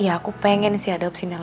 iya aku pengen sih ada opsinnya